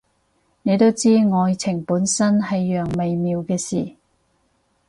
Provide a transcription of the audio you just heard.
你都知，愛情本身係樣微妙嘅事